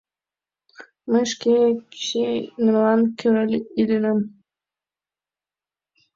Мый шке кӱсенемлан кӧра иленам...